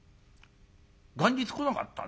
元日来なかったね。